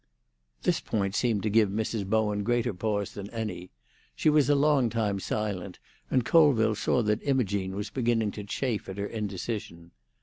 This point seemed to give Mrs. Bowen greater pause than any. She was a long time silent, and Colville saw that Imogene was beginning to chafe at her indecision.